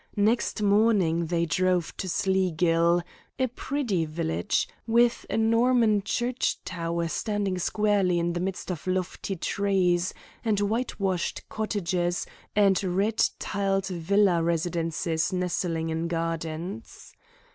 Next morning they drove to Sleagill a pretty village, with a Norman church tower standing squarely in the midst of lofty trees, and white washed cottages and red tiled villa residences nestling in gardens.